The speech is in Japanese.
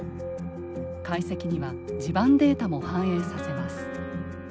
解析には地盤データも反映させます。